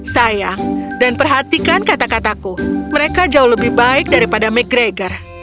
sayang dan perhatikan kata kataku mereka jauh lebih baik daripada mcgregor